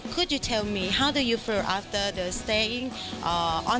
ขอบคุณไทยได้นิดหน่อยนะคะ